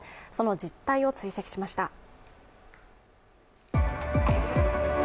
その実態を追跡しました。